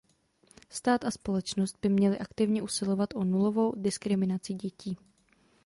Stát a společnost by měly aktivně usilovat o nulovou diskriminaci dětí.